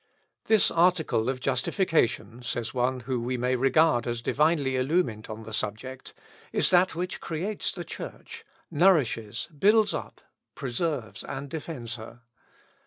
"This article of justification," says one whom we may regard as divinely illumined on the subject, "is that which creates the Church, nourishes, builds up, preserves, and defends her.